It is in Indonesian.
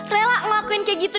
relah ngelakuin kayak gitu